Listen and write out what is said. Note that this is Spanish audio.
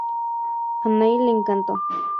A Neil le encantó.